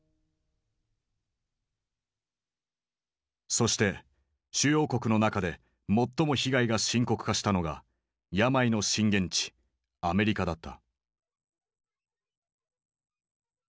そして主要国の中で最も被害が深刻化したのが病の震源地アメリカだった。